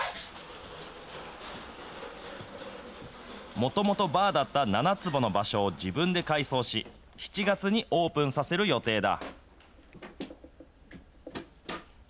もともとバーだった７坪の場所を自分で改装し、７月にオープンさせる予定だ。